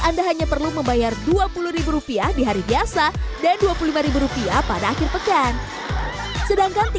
anda hanya perlu membayar dua puluh rupiah di hari biasa dan dua puluh lima rupiah pada akhir pekan sedangkan